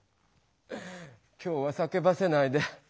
今日はさけばせないで。